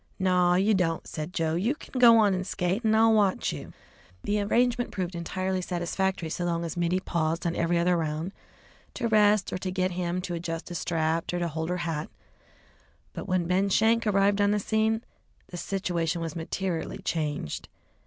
"Naw, you don't," said Joe; "you kin go on an' skate, and I'll watch you." The arrangement proved entirely satisfactory so long as Mittie paused on every other round to rest or to get him to adjust a strap, or to hold her hat, but when Ben Schenk arrived on the scene, the situation was materially changed.